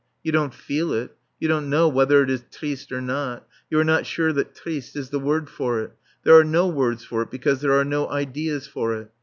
You don't feel it. You don't know whether it is "triste" or not. You are not sure that "triste" is the word for it. There are no words for it, because there are no ideas for it.